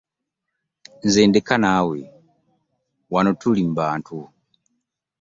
Nze ndeka, naawe wano tuli mu bantu.